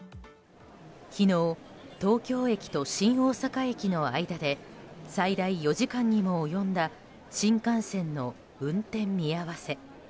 昨日、東京駅と新大阪駅の間で最大４時間にも及んだ新幹線の運転見合わせ。